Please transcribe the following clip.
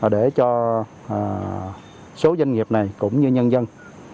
để cho số doanh nghiệp này cũng như nhân dân